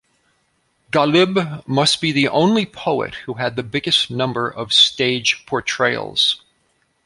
Ghalib must be the only poet who had biggest number of Stage portrayals.